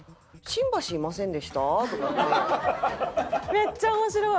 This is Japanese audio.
めっちゃ面白い！